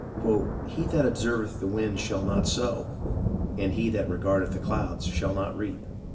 " He that observeth the wind shall not sow ; and he that regardeth the clouds shall not reap."